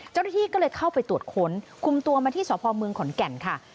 เจ้าหน้าที่ก็เลยเข้าไปตรวจค้นคุมตัวมาที่สพเมืองขอนแก่นค่ะ